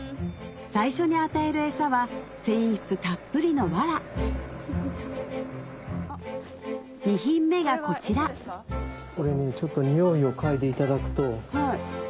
最初に与える餌は繊維質たっぷりのわら２品目がこちらこれちょっとにおいを嗅いでいただくと。